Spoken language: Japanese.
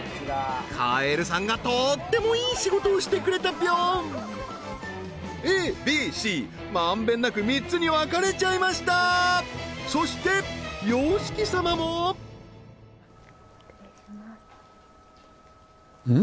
カエルさんがとってもいい仕事をしてくれたピョンＡＢＣ満遍なく３つに分かれちゃいましたそしてＹＯＳＨＩＫＩ様も失礼しますうん？